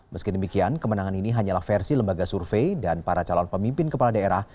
meski demikian kemenangan ini hanyalah versi lembaga survei dan para calon pemimpin kepala daerah